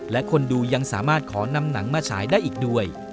และคนดูยังสามารถขอนำหนังมาฉายได้อีกด้วย